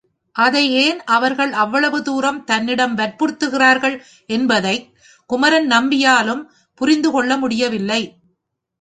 அதை ஏன் அவர்கள் அவ்வளவு தூரம் தன்னிடம் வற்புறுத்துகிறார்கள் என்பதைக் குமரன் நம்பியாலும் புரிந்து கொள்ள முடியவில்லை.